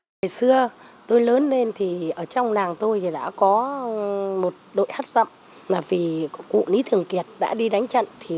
ngày xưa tôi lớn lên thì ở trong làng tôi thì đã có một đội hát giậm là vì cụ lý thường kiệt đã đi đánh trận